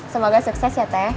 semoga sukses ya teh